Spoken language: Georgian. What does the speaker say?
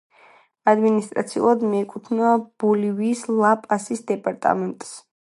ადმინისტრაციულად მიეკუთვნება ბოლივიის ლა-პასის დეპარტამენტს.